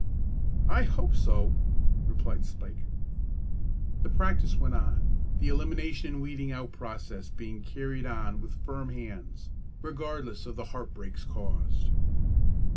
"I hope so," replied Spike. The practice went on, the elimination and weeding out process being carried on with firm hands, regardless of the heart breaks caused.